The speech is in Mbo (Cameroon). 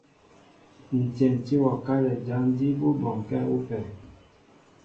Ǹ tyɛntí wɔ kálɛ jǎn jí bú bɔnkɛ́ ú pɛ.